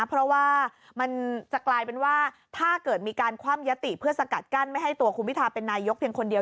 เพราะว่ามันจะกลายเป็นว่าถ้าเกิดมีการคว่ำยติเพื่อสกัดกั้นไม่ให้ตัวคุณพิทาเป็นนายกเพียงคนเดียว